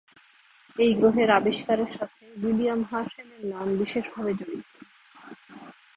এই গ্রহের আবিষ্কারের সাথে উইলিয়াম হার্শেল-এর নাম বিশেষভাবে জড়িত।